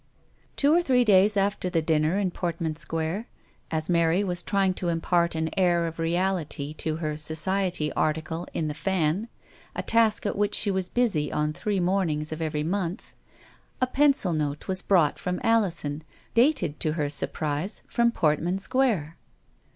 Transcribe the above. Two or three days after the dinner in Portman Square, as Mary was trying to im part an air of reality to her " Society " article in The Fan, a task at which she was busy on three mornings of every month, a pencil note was brought from Alison, dated, to her sur prise, from Portman Square.